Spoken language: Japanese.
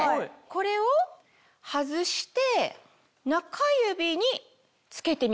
これを外して中指に着けてみました。